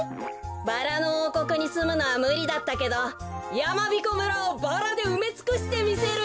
バラのおうこくにすむのはむりだったけどやまびこ村をバラでうめつくしてみせるよ。